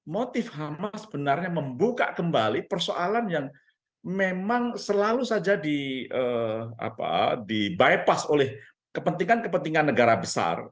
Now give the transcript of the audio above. motif hamas sebenarnya membuka kembali persoalan yang memang selalu saja di bypass oleh kepentingan kepentingan negara besar